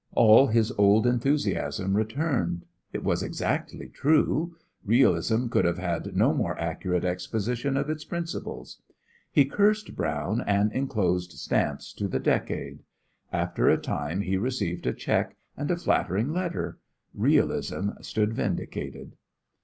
All his old enthusiasm returned. It was exactly true. Realism could have had no more accurate exposition of its principles. He cursed Brown, and inclosed stamps to the Decade. After a time he received a check and a flattering letter. Realism stood vindicated!